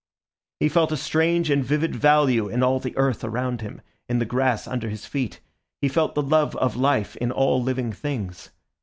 He felt a strange and vivid value in all the earth around him, in the grass under his feet; he felt the love of life in all living things.